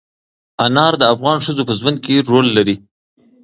انار د افغان ښځو په ژوند کې رول لري.